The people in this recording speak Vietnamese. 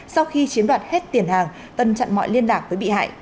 sau khi chiếm đoạt hết tiền hàng tân chặn mọi liên lạc với bị hại